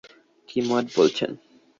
কী মত বলছেন?